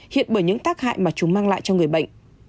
hiện bởi những tác hại mà chúng mang lại cho người bệnh